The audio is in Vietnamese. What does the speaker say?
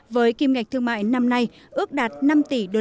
với kim ngạch thương mại năm nay ước đạt năm tỷ usd